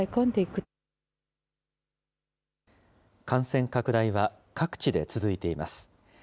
感染拡大は各地で続いています。